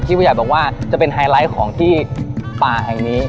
ผู้ใหญ่บอกว่าจะเป็นไฮไลท์ของที่ป่าแห่งนี้